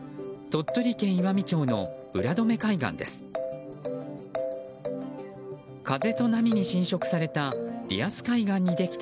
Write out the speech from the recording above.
鳥取県岩美町の浦富海岸です。